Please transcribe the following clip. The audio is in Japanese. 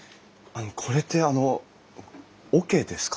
これってあの桶ですか？